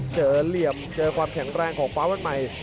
เหลี่ยมเจอความแข็งแรงของฟ้าวันใหม่